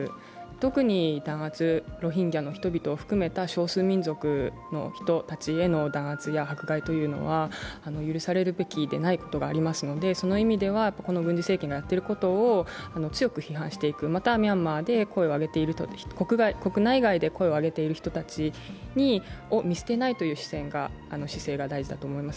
特に弾圧、ロヒンギャの人々含めた少数民族の人々への弾圧や迫害というのは許されるべきでないものがありますのでその意味では、この軍事政権がやっていることを強く批判していく、また、ミャンマーの国内外で声を上げている人たちを見捨てない姿勢が大事だと思います。